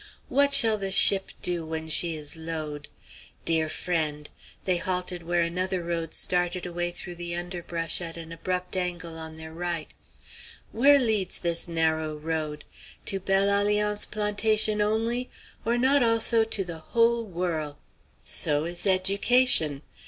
What shall the ship do when she is load'? Dear friend," they halted where another road started away through the underbrush at an abrupt angle on their right, "where leads this narrow road? To Belle Alliance plantation only, or not also to the whole worl'? So is education!